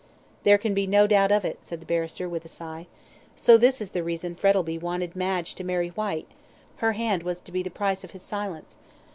"There can be no doubt of it," said the barrister, with a sigh. "So this is the reason Frettlby wanted Madge to marry Whyte her hand was to be the price of his silence.